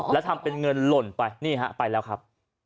แล้วทำเป็นเงินหล่นไปนี่ฮะไปแล้วครับ